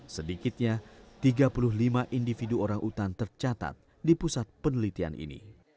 sedikitnya tiga puluh lima individu orang utan tercatat di pusat penelitian ini